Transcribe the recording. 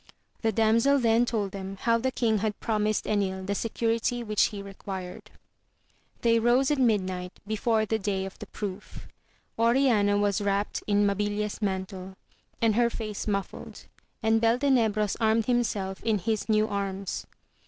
The damsel then told them how the king had promised Enil the security which he required. They rose at midnight before the day of the proof. Oriana was wrapt in Mabilia's mantle, and her face muffled, and Beltenebros armed himself in his new arms.